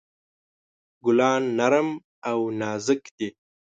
ګلان نرم او نازک دي.